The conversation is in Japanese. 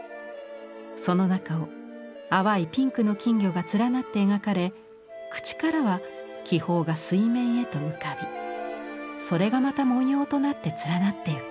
その中を淡いピンクの金魚が連なって描かれ口からは気泡が水面へと浮かびそれがまた文様となって連なっていく。